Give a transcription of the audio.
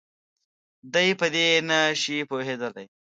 دی په دې نه شي پوهېدلی.